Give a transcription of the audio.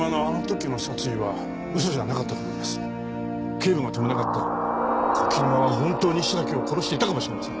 警部が止めなかったら柿沼は本当に白木を殺していたかもしれません。